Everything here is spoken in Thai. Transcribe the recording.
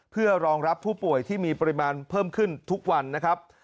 เพื่อรองรับผู้ป่วยที่มีปริมาณเพิ่มขึ้นทุกวันนะครับ